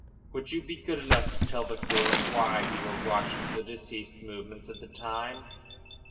Would you be good enough to tell the court why you were watching the deceased's movements at the time?"